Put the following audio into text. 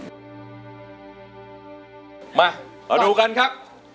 มาดูกันครับ